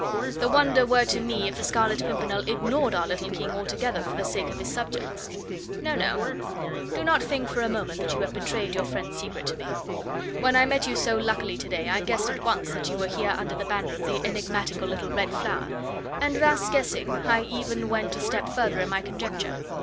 The wonder were to me if the Scarlet Pimpernel ignored our little King altogether for the sake of his subjects. No, no; do not think for a moment that you have betrayed your friend's secret to me. When I met you so luckily today I guessed at once that you were here under the banner of the enigmatical little red flower, and, thus guessing, I even went a step further in my conjecture.